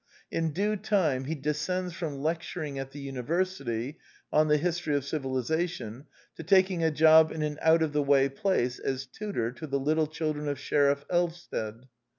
In due time he descends from lecturing at the university on the history of civilization to taking a job in an out of the way place as tutor to the little children of Sheriff Elvsted.